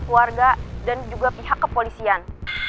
keluarga dan juga pihak kepolisian